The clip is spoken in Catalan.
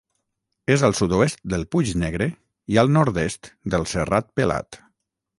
És al sud-oest del Puig Negre i al nord-est del Serrat Pelat.